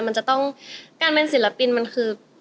มันจะต้องการเป็นศิลปินมันคือ